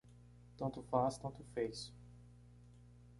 Tanto faz, tanto fez.